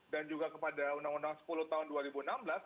dan juga kepada undang undang sepuluh tahun dua ribu enam belas